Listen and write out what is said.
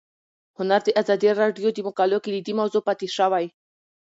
هنر د ازادي راډیو د مقالو کلیدي موضوع پاتې شوی.